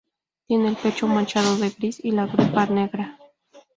Tiene el pecho manchado de gris y la grupa negra.